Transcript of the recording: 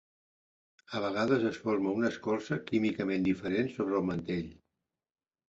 A vegades es forma una escorça químicament diferent sobre el mantell.